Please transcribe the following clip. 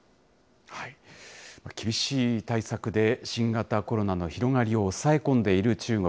厳しい対策で新型コロナの広がりを抑え込んでいる中国。